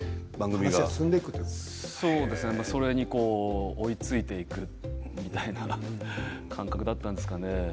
それに追いついていくみたいな感覚だったんですかね。